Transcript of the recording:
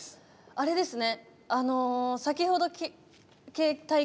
あれですね